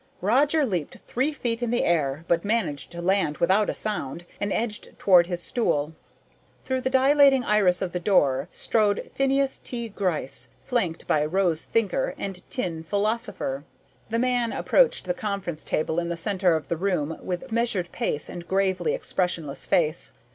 Roger leaped three feet in the air, but managed to land without a sound and edged toward his stool. Through the dilating iris of the door strode Phineas T. Gryce, flanked by Rose Thinker and Tin Philosopher. The man approached the conference table in the center of the room with measured pace and gravely expressionless face.